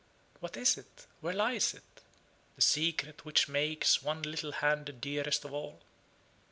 What is it? Where lies it? the secret which makes one little hand the dearest of all?